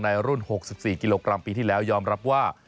รุ่น๖๔กิโลกรัมปีที่แล้วยอมรับว่า